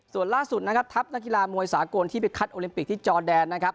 ส่วนล่าสุดนะครับทัพนักกีฬามวยสากลที่ไปคัดโอลิมปิกที่จอแดนนะครับ